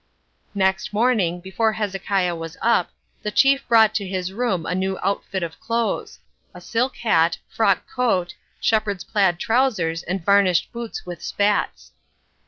Next morning, before Hezekiah was up, the chief brought to his room a new outfit of clothes—a silk hat, frock coat, shepherd's plaid trousers and varnished boots with spats.